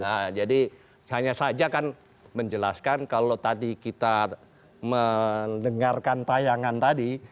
nah jadi hanya saja kan menjelaskan kalau tadi kita mendengarkan tayangan tadi